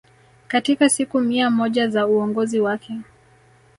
katika siku mia moja za uongozi wake